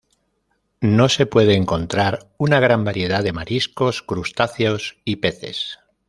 No se puede encontrar una gran variedad de mariscos, crustáceos y peces.